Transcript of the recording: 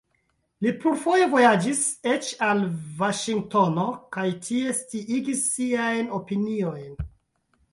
Li plurfoje vojaĝis eĉ al Vaŝingtono kaj tie sciigis siajn opinioj.